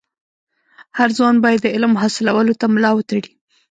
هر ځوان باید د علم حاصلولو ته ملا و تړي.